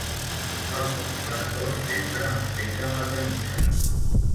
Els bons venedors sempre m'aixequen la camisa.